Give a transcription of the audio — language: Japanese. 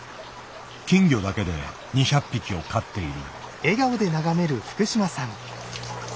金魚だけで２００匹を飼っている。